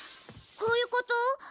こういうこと？